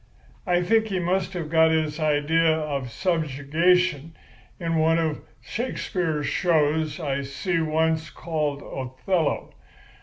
I think he must have got his idea of subjugation from one of Shakespeare's shows I see once called 'Othello.